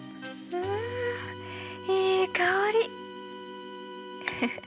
うんいい香り。